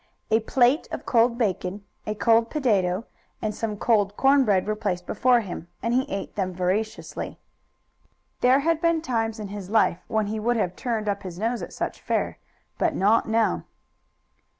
A plate of cold bacon, a cold potato and some corn bread were placed before him, and he ate them voraciously. There had been times in his life when he would have turned up his nose at such fare, but not now.